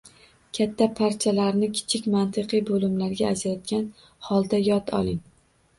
Katta parchalarni kichik mantiqiy bo‘limlarga ajratgan holda yod oling.